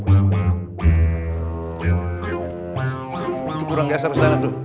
itu kurang geser sana tuh